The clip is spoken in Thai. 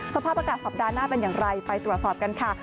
สภาพอากาศสัปดาห์หน้าเป็นอย่างไรไปตรวจสอบกันค่ะ